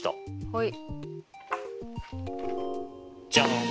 はい。